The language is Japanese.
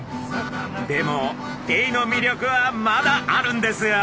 でもエイの魅力はまだあるんですよ。